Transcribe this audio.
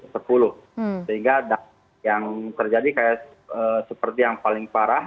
sehingga dampak yang terjadi seperti yang paling parah